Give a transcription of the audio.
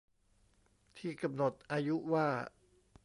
ที่กำหนดอายุว่า